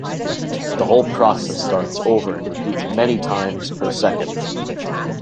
The whole process starts over and repeats many times per second.